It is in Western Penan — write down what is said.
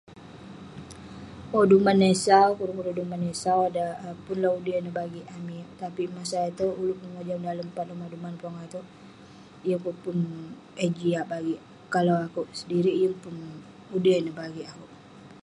Owk..duman eh sau, kurerk kurerk duman eh sau..pun lah undian neh bagik amik..tapi masa itouk, ulouk yeng mojam dalem pat lomah duman pongah itouk...yeng peh pun eh jiak bagik..kalau ulouk sedirik, yeng pun ude neh bagik akouk..